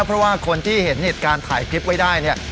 เพราะว่าคนที่เห็นเหตุการณ์ถ่ายคลิปไว้ได้เนี่ย